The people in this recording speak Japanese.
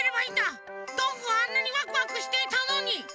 どんぐーあんなにワクワクしていたのに！